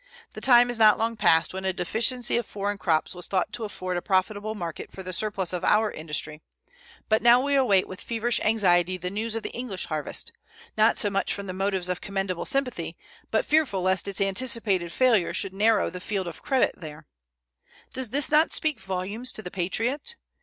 The time is not long passed when a deficiency of foreign crops was thought to afford a profitable market for the surplus of our industry, but now we await with feverish anxiety the news of the English harvest, not so much from motives of commendable sympathy, but fearful lest its anticipated failure should narrow the field of credit there. Does not this speak volumes to the patriot?